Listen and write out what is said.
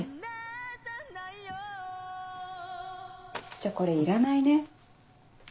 じゃあこれいらないね。